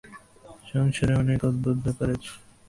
সংসারে অনেক অদ্ভুত ব্যাপার আছে।